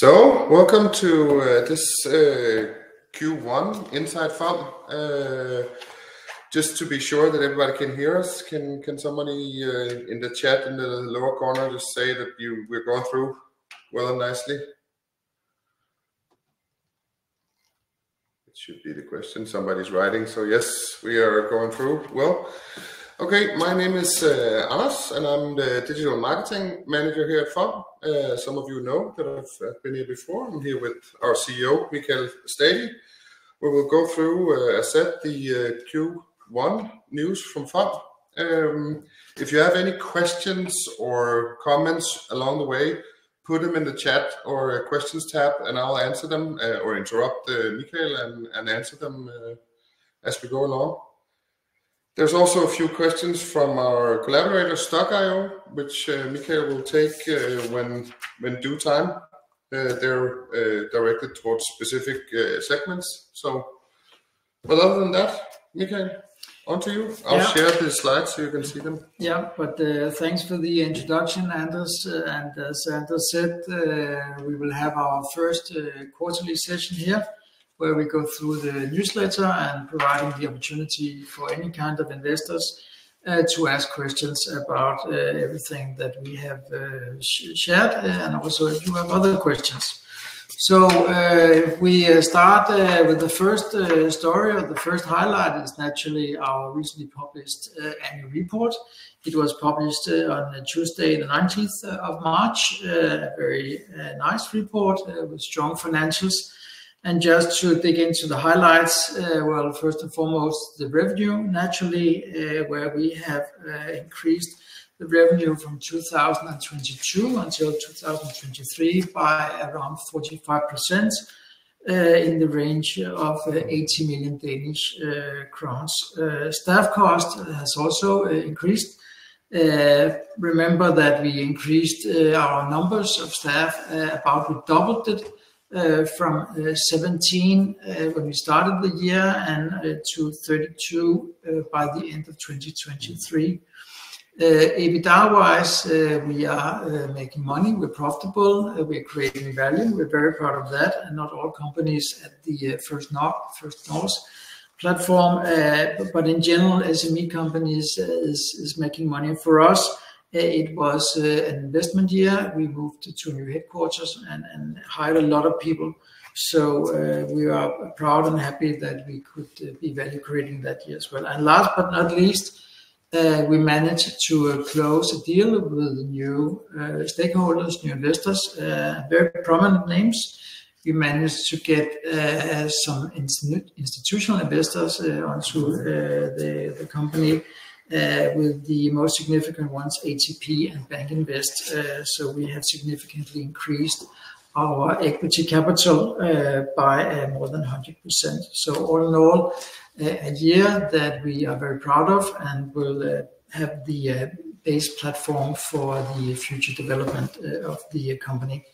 So welcome to this Q1 inside FOM. Just to be sure that everybody can hear us, can somebody in the chat in the lower corner just say that we're going through well and nicely? It should be the question. Somebody's writing, so yes, we are going through well. Okay, my name is Anders, and I'm the Digital Marketing Manager here at FOM. Some of you know that I've been here before. I'm here with our CEO, Michael Stadi. We will go through the Q1 news from FOM. If you have any questions or comments along the way, put them in the chat or questions tab, and I'll answer them or interrupt Michael and answer them as we go along. There's also a few questions from our collaborators, Stokk.io, which Michael will take when due time. They're directed towards specific segments, so. Other than that, Michael, onto you. I'll share the slides so you can see them. Yeah, but thanks for the introduction, Anders. And, as Anders said, we will have our first quarterly session here where we go through the newsletter and provide the opportunity for any kind of investors to ask questions about everything that we have shared, and also if you have other questions. So, if we start with the first story or the first highlight is naturally our recently published annual report. It was published on Tuesday, the 19th of March, a very nice report with strong financials. And just to dig into the highlights, well, first and foremost, the revenue, naturally, where we have increased the revenue from 2022 until 2023 by around 45%, in the range of 80 million Danish crowns. Staff cost has also increased. Remember that we increased our numbers of staff about we doubled it from 17 when we started the year and to 32 by the end of 2023. EBITDA-wise, we are making money. We're profitable. We're creating value. We're very proud of that. And not all companies at the First North platform, but in general, SME companies is making money. For us, it was an investment year. We moved to new headquarters and hired a lot of people. So, we are proud and happy that we could be value creating that year as well. And last but not least, we managed to close a deal with new stakeholders, new investors, very prominent names. We managed to get some institutional investors onto the company, with the most significant ones, ATP and BankInvest. So we have significantly increased our equity capital by more than 100%. So all in all, a year that we are very proud of and will have the base platform for the future development of the company.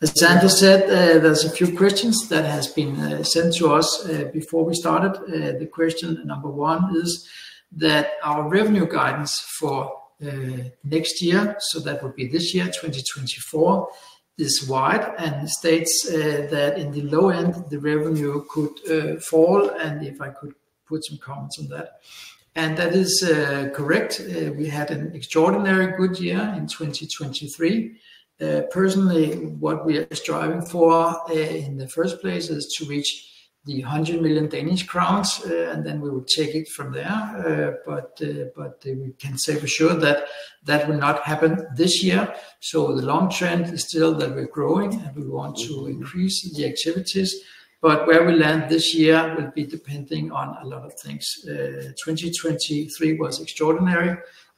As Anders said, there's a few questions that have been sent to us before we started. The question number one is that our revenue guidance for next year, so that would be this year, 2024, is wide and states that in the low end, the revenue could fall. And if I could put some comments on that. And that is correct. We had an extraordinary good year in 2023. Personally, what we are striving for in the first place is to reach 100 million Danish crowns, and then we will take it from there. But we can say for sure that that will not happen this year. So the long trend is still that we're growing and we want to increase the activities. But where we land this year will be depending on a lot of things. 2023 was extraordinary,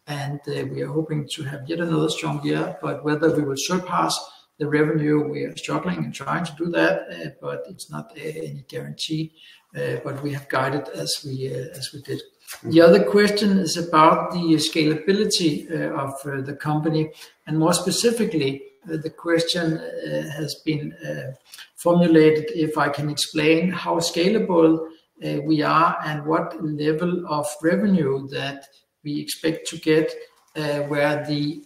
and we are hoping to have yet another strong year. But whether we will surpass the revenue we are struggling and trying to do that, but it's not any guarantee. But we have guided as we did. The other question is about the scalability of the company. And more specifically, the question has been formulated if I can explain how scalable we are and what level of revenue that we expect to get where the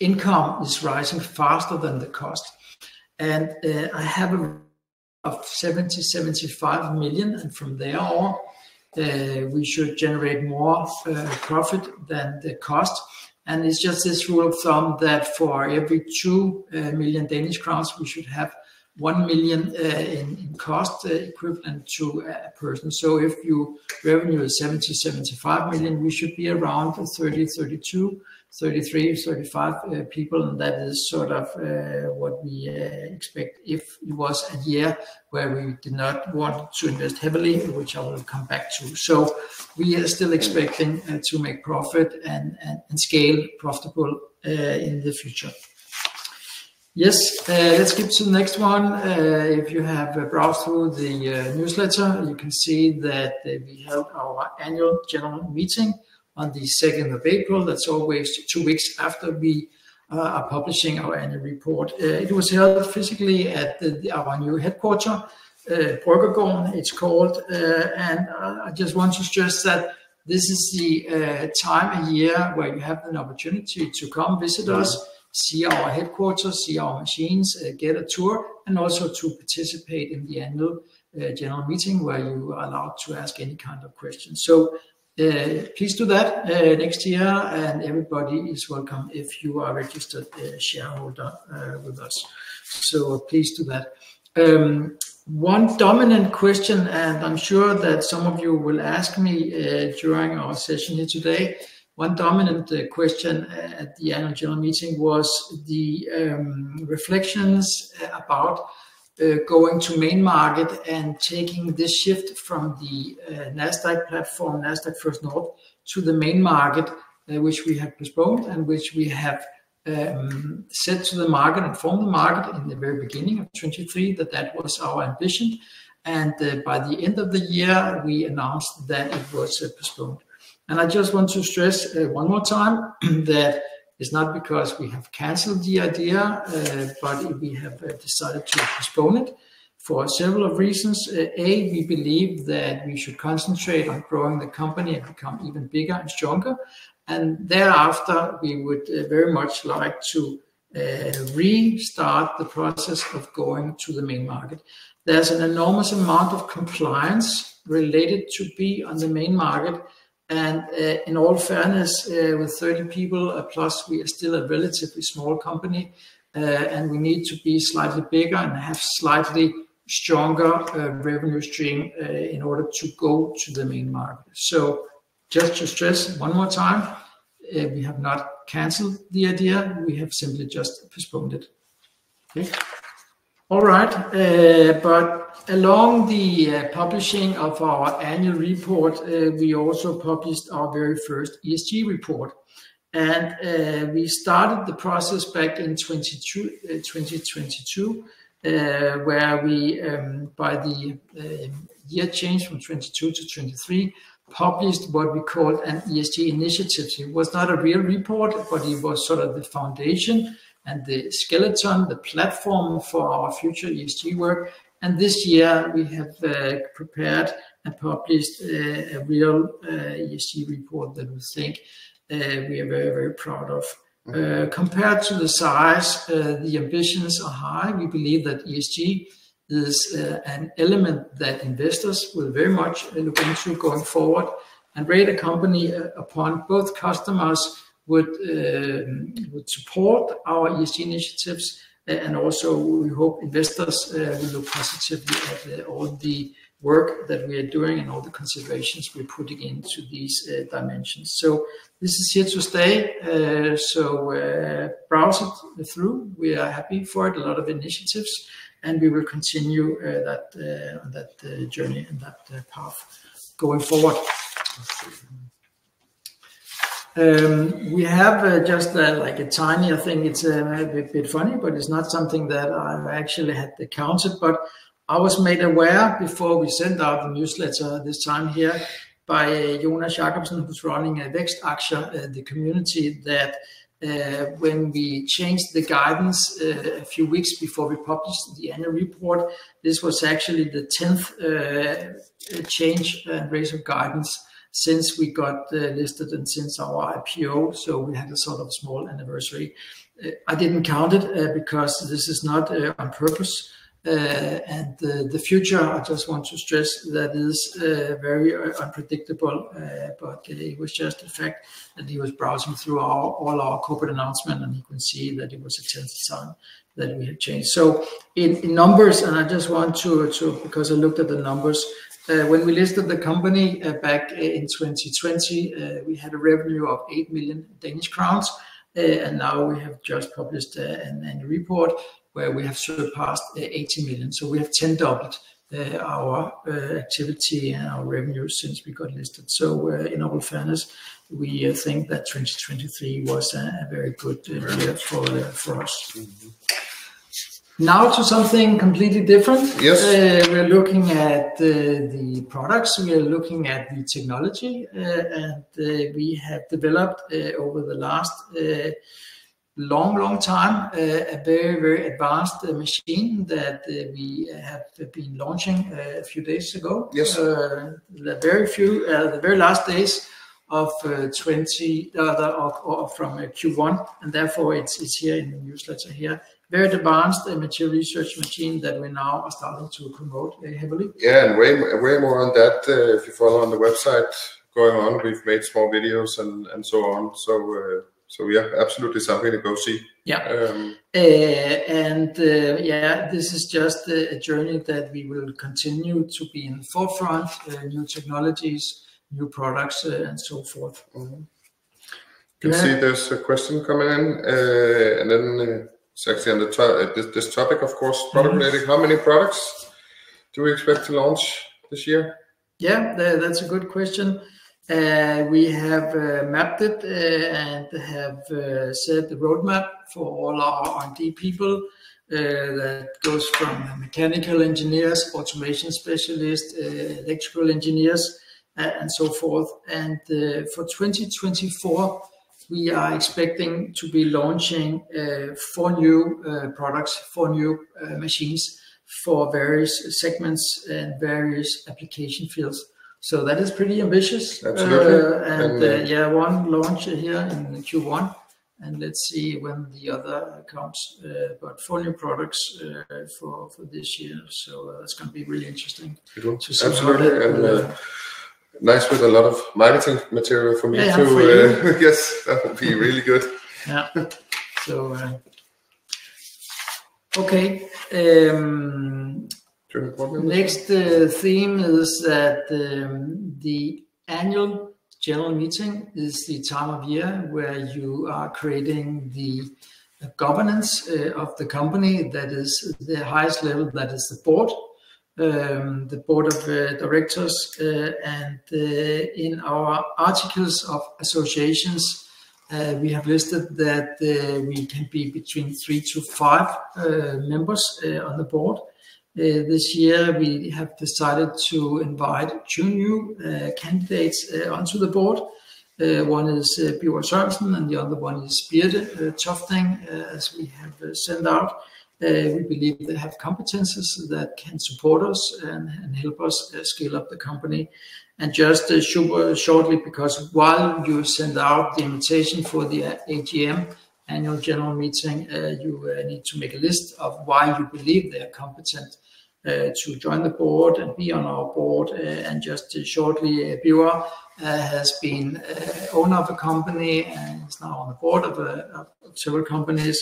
income is rising faster than the cost. And I have a of 70 million-75 million, and from there on, we should generate more profit than the cost. And it's just this rule of thumb that for every 2 million Danish crowns, we should have 1 million in cost, equivalent to a person. So if your revenue is 70-75 million, we should be around 30-35 people, and that is sort of what we expect if it was a year where we did not want to invest heavily, which I will come back to. So we are still expecting to make profit and scale profitable in the future. Yes, let's skip to the next one. If you have browsed through the newsletter, you can see that we held our annual general meeting on the 2nd of April. That's always two weeks after we are publishing our annual report. It was held physically at our new headquarters, Bryggergården, it's called, and I just want to stress that this is the time a year where you have an opportunity to come visit us, see our headquarters, see our machines, get a tour, and also to participate in the annual general meeting where you are allowed to ask any kind of questions. So, please do that next year, and everybody is welcome if you are registered shareholder with us. So please do that. One dominant question, and I'm sure that some of you will ask me during our session here today, one dominant question at the annual general meeting was the reflections about going to main market and taking this shift from the NASDAQ platform, NASDAQ First North, to the main market, which we have postponed and which we have said to the market and informed the market in the very beginning of 2023, that that was our ambition. By the end of the year, we announced that it was postponed. I just want to stress one more time that it's not because we have canceled the idea, but we have decided to postpone it for several reasons. A, we believe that we should concentrate on growing the company and become even bigger and stronger. Thereafter, we would very much like to restart the process of going to the main market. There's an enormous amount of compliance related to being on the main market. In all fairness, with 30 people plus, we are still a relatively small company, and we need to be slightly bigger and have slightly stronger revenue stream in order to go to the main market. Just to stress one more time, we have not canceled the idea. We have simply just postponed it. Okay. All right. Along the publishing of our annual report, we also published our very first ESG report. We started the process back in 2022, where we by the year change from 2022 to 2023 published what we called an ESG initiative. It was not a real report, but it was sort of the foundation and the skeleton, the platform for our future ESG work. And this year, we have prepared and published a real ESG report that we think we are very, very proud of. Compared to the size, the ambitions are high. We believe that ESG is an element that investors will very much look into going forward and rate a company upon. Both customers would support our ESG initiatives. And also we hope investors will look positively at all the work that we are doing and all the considerations we're putting into these dimensions. So this is here to stay. So, browse it through. We are happy for it. A lot of initiatives. And we will continue that on that journey and that path going forward. We have just, like a tiny thing. It's a bit funny, but it's not something that I actually had encountered, but I was made aware before we sent out the newsletter this time here by Jonas Jakobsen, who's running a Vækstaktier, the community, that when we changed the guidance a few weeks before we published the annual report, this was actually the 10th change and raise of guidance since we got listed and since our IPO. So we had a sort of small anniversary. I didn't count it, because this is not on purpose. And the future, I just want to stress that is very unpredictable, but it was just a fact that he was browsing through our all our corporate announcement, and he can see that it was a tenth time that we had changed. So in numbers, and I just want to, because I looked at the numbers, when we listed the company back in 2020, we had a revenue of 8 million Danish crowns. And now we have just published an annual report where we have surpassed 80 million. So we have 10x our activity and our revenue since we got listed. So, in all fairness, we think that 2023 was a very good year for us. Now to something completely different. We're looking at the products. We are looking at the technology, and we have developed over the last long time a very advanced machine that we have been launching a few days ago. In the very last days of 2023 from Q1, and therefore it's here in the newsletter here. Very advanced, material research machine that we now are starting to promote, heavily. Yeah. And way, way more on that, if you follow on the website going on, we've made small videos and so on. So yeah, absolutely something to go see. Yeah. And yeah, this is just a journey that we will continue to be in the forefront, new technologies, new products, and so forth. Can you see there's a question coming in? And then, actually on this, this topic, of course, product related, how many products do we expect to launch this year? Yeah, that's a good question. We have mapped it and have set the roadmap for all our R&D people, that goes from mechanical engineers, automation specialists, electrical engineers, and so forth. For 2024, we are expecting to be launching 4 new products, 4 new machines for various segments and various application fields. So that is pretty ambitious. Yeah, one launch here in Q1, and let's see when the other comes, but 4 new products for this year. So, that's going to be really interesting. Absolutely. And, nice with a lot of marketing material for me too. Yes, that will be really good. Yeah. So, okay. Next, theme is that the annual general meeting is the time of year where you are creating the governance of the company. That is the highest level that is the board, the board of directors, and in our articles of association, we have listed that we can be between 3 to 5 members on the board. This year, we have decided to invite 2 new candidates onto the board. One is Bjørn Sørensen, and the other one is Birthe Tofting, as we have sent out. We believe they have competencies that can support us and, and help us scale up the company. And just super shortly, because while you sent out the invitation for the AGM, annual general meeting, you need to make a list of why you believe they are competent, to join the board and be on our board. And just shortly, Bjørn has been owner of a company and is now on the board of several companies,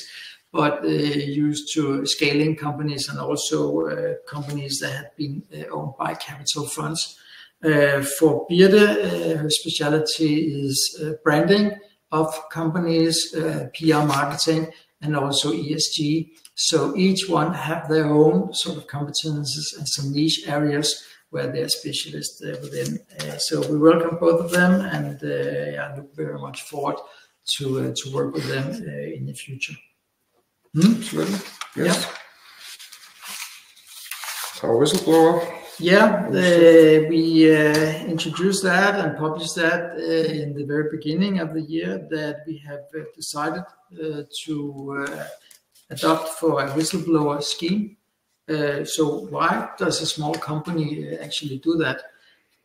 but used to scaling companies and also companies that have been owned by capital funds. For Birthe, her specialty is branding of companies, PR marketing, and also ESG. So each one has their own sort of competencies and some niche areas where they are specialists within. So we welcome both of them and, yeah, look very much forward to work with them in the future. Absolutely. Yes. Our whistleblower. Yeah, we introduced that and published that in the very beginning of the year that we have decided to adopt for a whistleblower scheme. So why does a small company actually do that?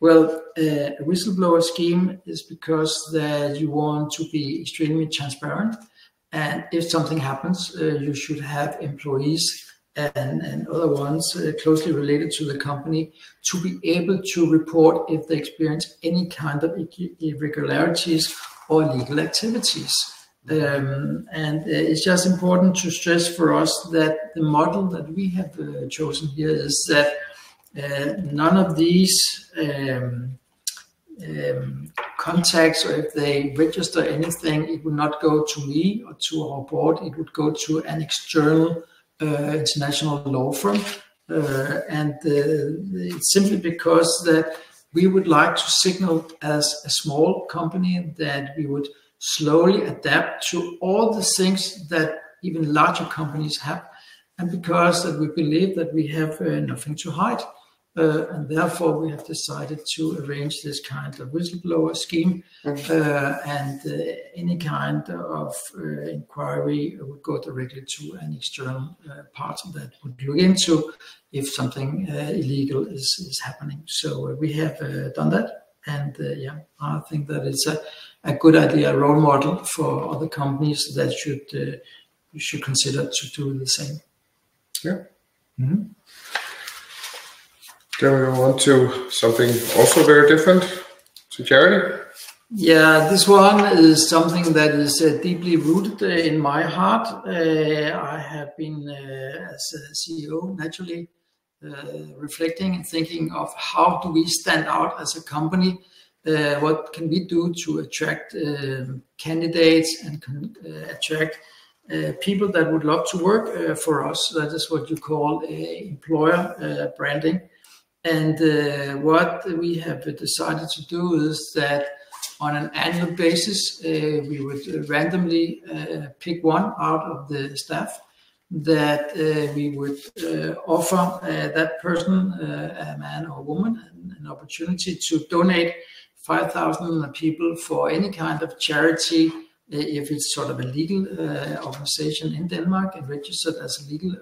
Well, a whistleblower scheme is because that you want to be extremely transparent. And if something happens, you should have employees and other ones closely related to the company to be able to report if they experience any kind of irregularities or legal activities. And it's just important to stress for us that the model that we have chosen here is that none of these contacts, or if they register anything, it would not go to me or to our board. It would go to an external international law firm. It's simply because that we would like to signal as a small company that we would slowly adapt to all the things that even larger companies have. And because that we believe that we have nothing to hide, and therefore we have decided to arrange this kind of whistleblower scheme. Any kind of inquiry would go directly to an external part that would look into if something illegal is happening. So we have done that. And, yeah, I think that it's a good idea, a role model for other companies that should consider to do the same. Yeah. Can we move on to something also very different to charity? Yeah, this one is something that is deeply rooted in my heart. I have been, as a CEO, naturally, reflecting and thinking of how do we stand out as a company? What can we do to attract candidates and attract people that would love to work for us? That is what you call employer branding. What we have decided to do is that on an annual basis, we would randomly pick one out of the staff that we would offer that person, a man or woman, an opportunity to donate 5,000 for any kind of charity. If it's sort of a legal organization in Denmark and registered as a legal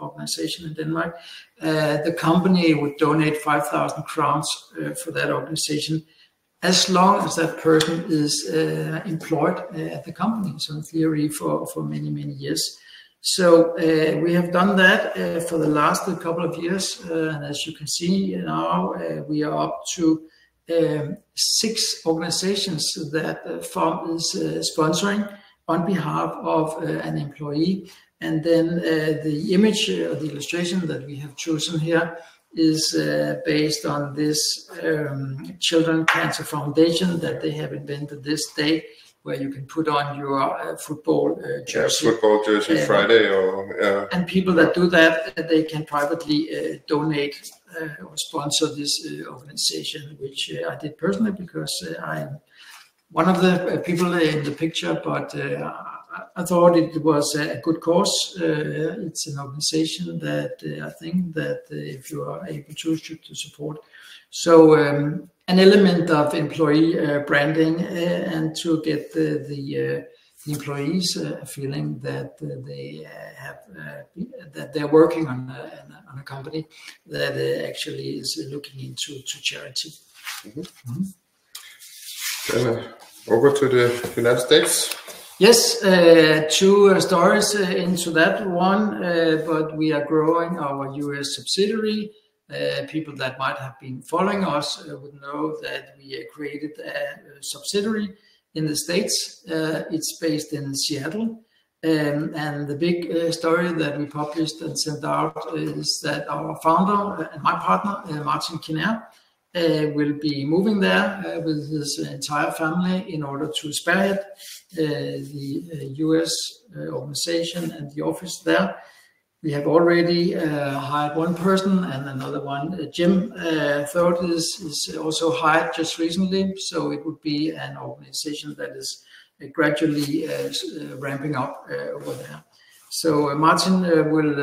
organization in Denmark, the company would donate 5,000 crowns for that organization as long as that person is employed at the company. So in theory, for many, many years. We have done that for the last couple of years. As you can see now, we are up to 6 organizations that FOM is sponsoring on behalf of an employee. And then, the image or the illustration that we have chosen here is, based on this, Children's Cancer Foundation that they have invented this day where you can put on your football jersey. Football Jersey Friday or, yeah. And people that do that, they can privately, donate, or sponsor this, organization, which, I did personally because, I'm one of the people in the picture, but, I thought it was a good cause. It's an organization that, I think that, if you are able to, should to support. So, an element of employee, branding, and to get the employees feeling that, they, have, that they're working on a company that, actually is looking into, to charity. Then over to the United States. Yes, two stories into that one, but we are growing our U.S. subsidiary. People that might have been following us would know that we created a subsidiary in the States. It's based in Seattle. And the big story that we published and sent out is that our founder and my partner, Martin Kiener, will be moving there with his entire family in order to spearhead the U.S. organization and the office there. We have already hired one person and another one, Jim. Third is also hired just recently. So it would be an organization that is gradually ramping up over there. So Martin will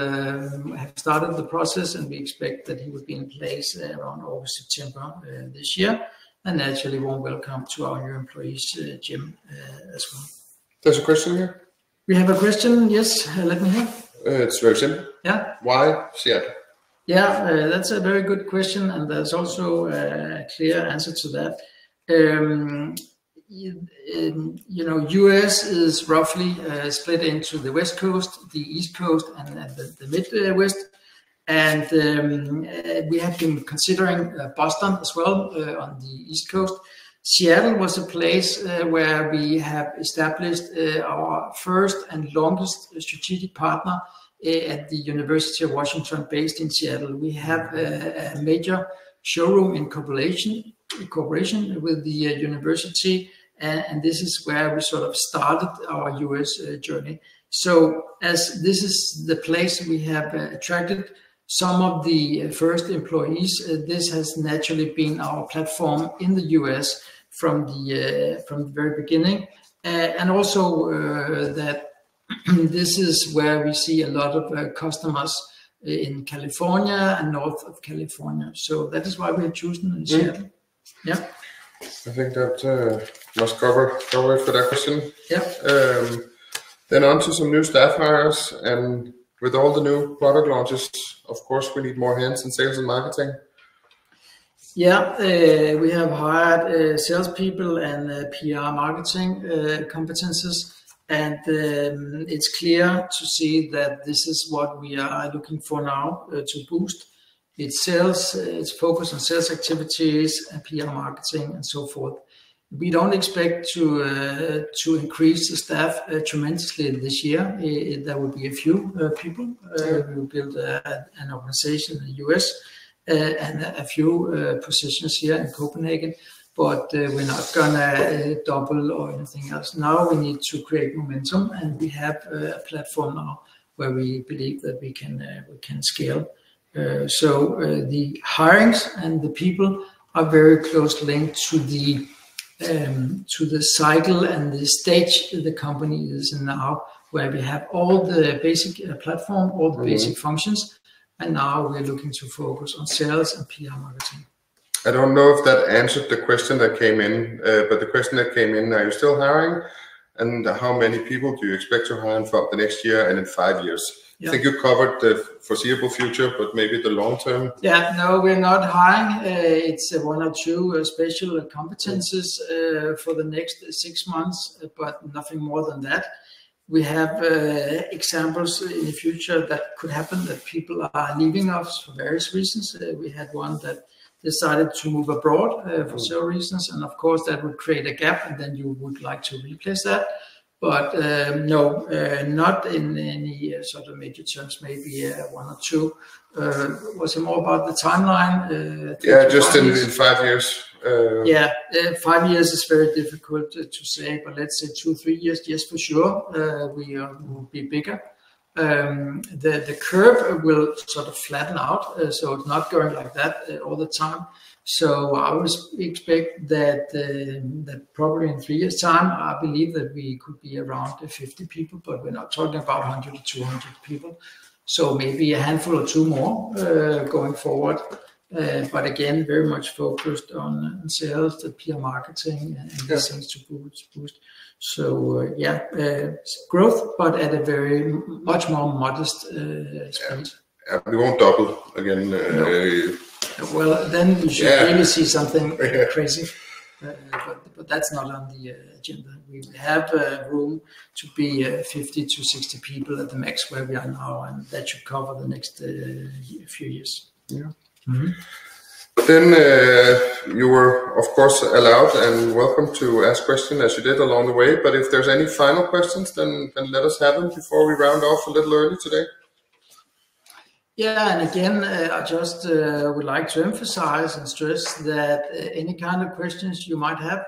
have started the process and we expect that he would be in place around August, September this year. And naturally we'll welcome our new employees, Jim, as well. There's a question here. We have a question. Yes. Let me hear. It's very simple. Why Seattle? Yeah, that's a very good question. There's also a clear answer to that. You know, the U.S. is roughly split into the West Coast, the East Coast, and the Midwest. We have been considering Boston as well on the East Coast. Seattle was a place where we have established our first and longest strategic partner at the University of Washington based in Seattle. We have a major showroom in cooperation with the university. And this is where we sort of started our U.S. journey. So as this is the place we have attracted some of the first employees, this has naturally been our platform in the U.S. from the very beginning. And also, this is where we see a lot of customers in California and north of California. So that is why we have chosen Seattle. Yeah. I think that must cover that question. Then on to some new staff hires and with all the new product launches, of course, we need more hands in sales and marketing. Yeah, we have hired salespeople and PR marketing competencies. It's clear to see that this is what we are looking for now to boost. It's sales, it's focused on sales activities and PR marketing and so forth. We don't expect to increase the staff tremendously this year. That would be a few people. We will build an organization in the U.S., and a few positions here in Copenhagen, but we're not going to double or anything else. Now we need to create momentum and we have a platform now where we believe that we can scale. So, the hirings and the people are very closely linked to the cycle and the stage the company is in now where we have all the basic platform, all the basic functions. And now we're looking to focus on sales and PR marketing. I don't know if that answered the question that came in, but the question that came in, are you still hiring? And how many people do you expect to hire for the next year and in five years? I think you covered the foreseeable future, but maybe the long term. Yeah, no, we're not hiring. It's one or two special competencies for the next six months, but nothing more than that. We have examples in the future that could happen that people are leaving us for various reasons. We had one that decided to move abroad for several reasons. Of course, that would create a gap and then you would like to replace that. No, not in any sort of major terms. Maybe one or two. Was it more about the timeline? Yeah, just in 5 years. Yeah, 5 years is very difficult to say, but let's say 2, 3 years. Yes, for sure. We will be bigger. The curve will sort of flatten out. So it's not going like that all the time. So I always expect that, that probably in 3 years' time, I believe that we could be around 50 people, but we're not talking about 100-200 people. So maybe a handful or two more, going forward. But again, very much focused on sales and PR marketing and these things to boost. So, yeah, growth, but at a very much more modest speed. Yeah, we won't double again. Well, then we should really see something crazy. But that's not on the agenda. We have a room to be 50-60 people at the max where we are now, and that should cover the next few years. Yeah. But then, you were, of course, allowed and welcome to ask questions as you did along the way. But if there's any final questions, then let us have them before we round off a little early today. Yeah. And again, I just would like to emphasize and stress that any kind of questions you might have,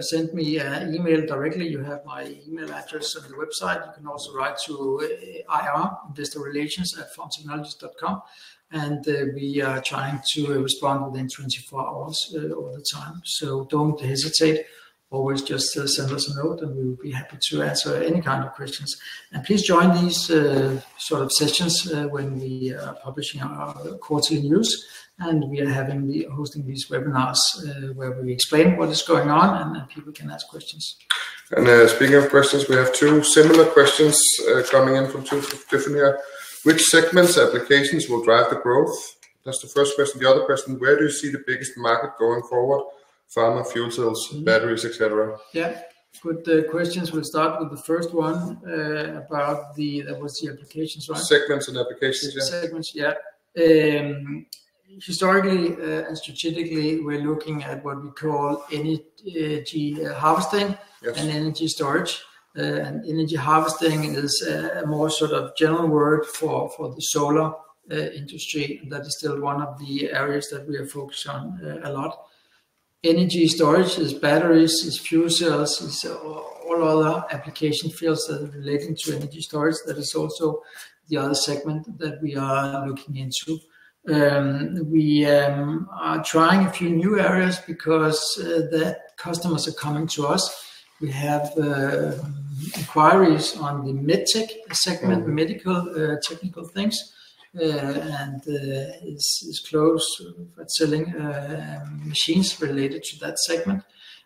send me an email directly. You have my email address on the website. You can also write to investorrelations@fomtechnologies.com. And we are trying to respond within 24 hours, all the time. So don't hesitate. Always just send us a note and we will be happy to answer any kind of questions. Please join these, sort of sessions, when we are publishing our quarterly news and we are having the hosting these webinars, where we explain what is going on and then people can ask questions. Speaking of questions, we have two similar questions, coming in from two different here. Which segments of applications will drive the growth? That's the first question. The other question, where do you see the biggest market going forward? Pharma, fuel cells, batteries, etc. Yeah. Good questions. We'll start with the first one, about the, that was the applications, right? Segments and applications. Yeah. Segments. Yeah. Historically, and strategically, we're looking at what we call energy, harvesting and energy storage. And energy harvesting is, a more sort of general word for, for the solar, industry. And that is still one of the areas that we are focused on, a lot. Energy storage is batteries, is fuel cells, is all other application fields that are related to energy storage. That is also the other segment that we are looking into. We are trying a few new areas because customers are coming to us. We have inquiries on the MedTech segment, medical, technical things, and is closed for selling machines related to that segment.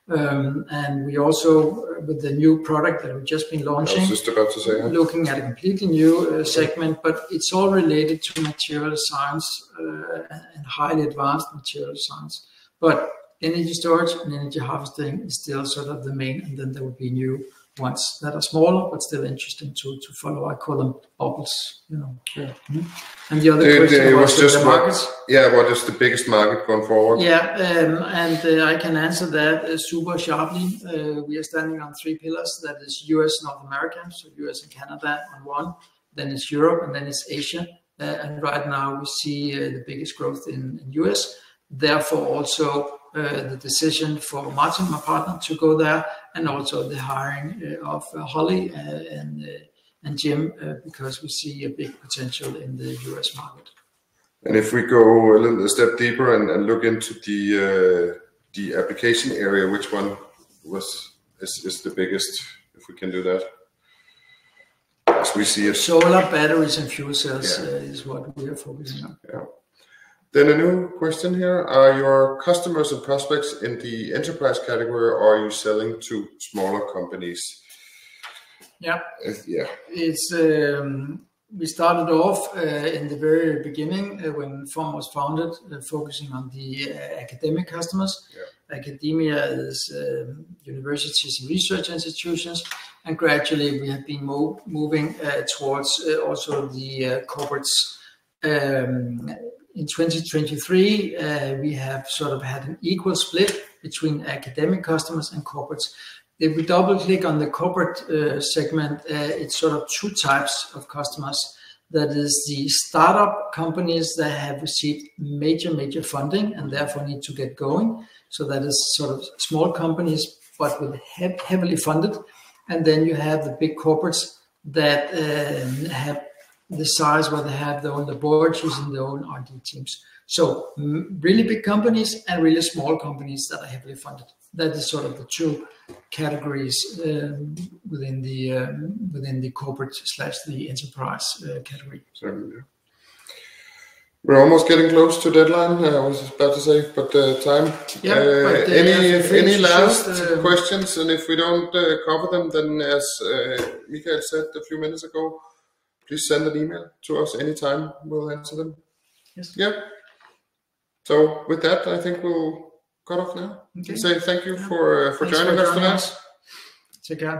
And we also, with the new product that we've just been launching, looking at a completely new segment, but it's all related to material science, and highly advanced material science. But energy storage and energy harvesting is still sort of the main, and then there would be new ones that are smaller, but still interesting to follow. I call them obelsks, you know? Yeah. And the other question was the market. Yeah. What is the biggest market going forward? Yeah. And I can answer that super sharply. We are standing on three pillars. That is U.S. and North America. So U.S. and Canada on one, then it's Europe, and then it's Asia. And right now we see the biggest growth in the U.S. Therefore also the decision for Martin, my partner, to go there and also the hiring of Holly and Jim, because we see a big potential in the U.S. market. And if we go a little step deeper and look into the application area, which one is the biggest, if we can do that, as we see it? Solar, batteries, and fuel cells is what we are focusing on. Then a new question here. Are your customers and prospects in the enterprise category, or are you selling to smaller companies? It's we started off in the very beginning when FOM was founded, focusing on the academic customers. Academia is universities and research institutions. Gradually we have been moving towards also the corporates. In 2023, we have sort of had an equal split between academic customers and corporates. If we double click on the corporate segment, it's sort of two types of customers. That is the startup companies that have received major, major funding and therefore need to get going. So that is sort of small companies, but with heavily funded. And then you have the big corporates that have the size where they have their own boards using their own R&D teams. So really big companies and really small companies that are heavily funded. That is sort of the two categories within the corporate slash the enterprise category. We're almost getting close to deadline, I was about to say, but the time. Yeah. But any, any last questions? And if we don't cover them, then as Michael said a few minutes ago, please send an email to us anytime. We'll answer them. Yes. Yeah. So with that, I think we'll cut off now. Okay. Say thank you for, for joining us tonight. Take care.